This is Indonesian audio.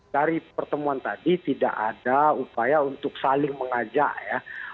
dari pertemuan tadi tidak ada upaya untuk saling mengajak ya